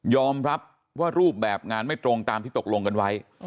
รับว่ารูปแบบงานไม่ตรงตามที่ตกลงกันไว้